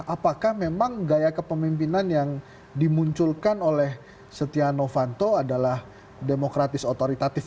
apakah memang gaya kepemimpinan yang dimunculkan oleh setia novanto adalah demokratis otoritatif